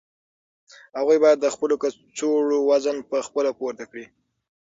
هغوی باید د خپلو کڅوړو وزن په خپله پورته کړي.